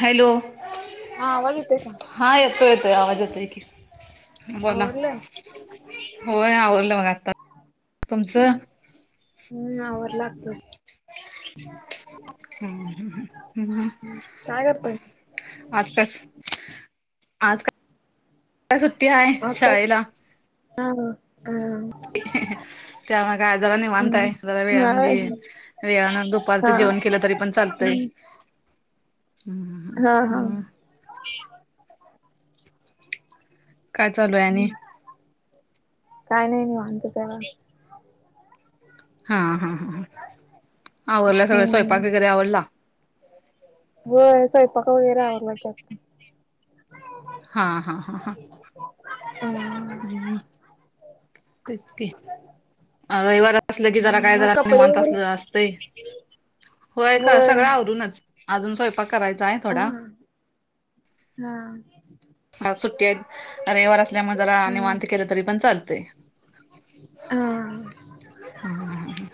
Hello. हा आवाज येतोय का? ताई आवाज येतोय की. बोला आवरलं? होय आवरलं मग आता तुमचं? हम्म आवरलं आत्ताच. हम्म हम्म हं हं. काय करताय? आत्ताच आज काय सुट्टी हाय आज काय शाळेला. स [unintelligible] त्यामुळं काय जरा निवांतय जरा वेळा म्हंजे वेळानं हा दुपारचं हा जेवण केलं तरी पण चालतंय. [inaudible] हम्म हा हा हम्म मग? काय चालू आहे आणि हम्म काय नाही निवांतचय मग. हां हां हां हां आवरलं सगळं हम्म स्वयंपाक वगैरे आवरला? होय स्वयंपाक वगैरे आवरला की आत्ता. हां हां हां हां. हम्म तेच की रविवार आ असलं की जरा काय मग जरा कपडे निवांत वगैरे असलं असत होय का सगळं आवरूनच. अजून स्वयंपाक करायचा आहे ह थोडा हा! सुट्टी आहेत रविवार असल्यामुळे जरा हा निवांत केलं तरी पण चालतंय. हा! हम्म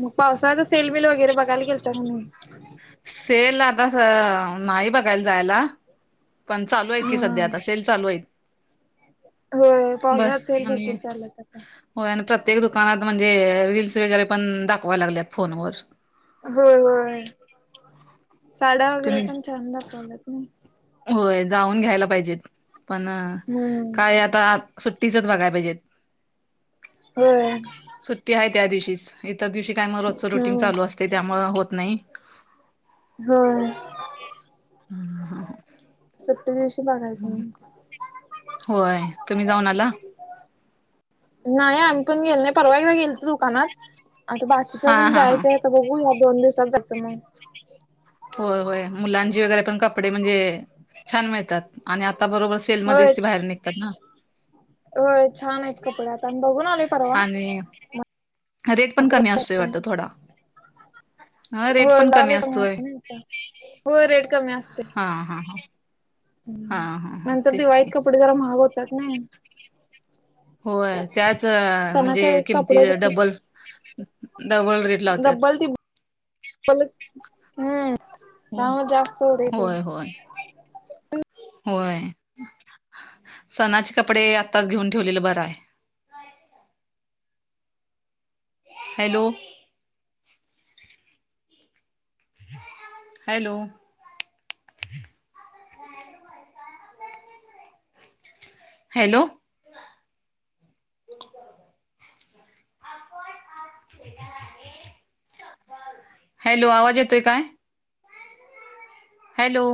मग पावसाचं सेलबिल वगैरे बघायला गेलता की नाही? सेल आता नाही बघायला जायला. पण चालू आहेत की हा सध्या आता सेल चालू आहेत. होय बर पावसाळ्यात सेल आणि भरपूर चालू आहेत आता. होय आणि प्रत्येक दुकानात म्हणजे रिल्स वगैरे पण दाखवाय लागलेत फोनवर. होय होय साड्या वगैरे तुम्ही पण छान दाखवलेत. होय जाऊन घ्यायला पाहिजेत पण हम्म काय आता सुट्टीच च बघाय पाहिजेत. होय! सुट्टी आहे त्या दिवशीच इतर दिवशी काय मग रोजच रुटीन हम्म चालू असतंय त्यामुळ होत नाही. होय! [unintelligible] सुट्टी दिवशी बघायचं मग. होय तुम्ही जाऊन आला? नाही आमी पण गेलो नाही परवा एकदा गेलतो दुकानात. आता बाकीचं हा अजून हा हा जायचंय तर बघू या दोन दिवसात जायचं मग. होय होय मुलांची वगैरे पण कपडे म्हणजे छान मिळतात. आणि आता बरोबर होय सेलमधेच ती बाहेर निघतात ना. होय छान आहेत कपडे आता आम्ही बघून आलोय! परवा. आणि रेट पण कमी असतोय वाटतं थोडा! ह रेट होय पण कमी असतोय रेट कमी असतोय. हा हा हा! हा हम्म, हा हा नंतर तेच दिवाळीत की कपडे जरा महाग होतात नाय? होय त्याच सणाच्या म्हणजे वेळेस किंमती कपडे डबल डबल रेट हम्म लावत्यात डबल टिबल हो त्यामुळे जास्त होतंय ते. होय होय होय सणाची कपडे आताच घेऊन ठेवलेलं बरं हाय. हॅलो! हॅलो! हॅलो! [inaudible] हॅलो आवाज येतोय काय? हॅलो!